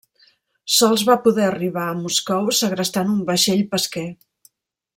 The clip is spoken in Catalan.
Sols va poder arribar a Moscou segrestant un vaixell pesquer.